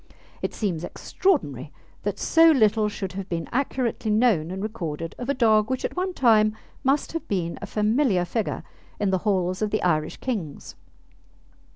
It seems extraordinary that so little should have been accurately known and recorded of a dog which at one time must have been a familiar figure in the halls of the Irish kings.